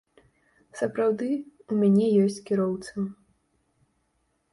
Сапраўды, у мяне ёсць кіроўца.